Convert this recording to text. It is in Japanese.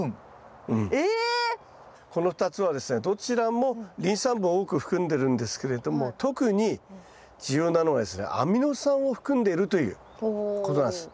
この２つはですねどちらもリン酸分を多く含んでるんですけれども特に重要なのがですねアミノ酸を含んでいるということなんです。